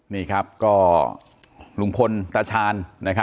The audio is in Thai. นี่ครับก็ลุงพลตาชาญ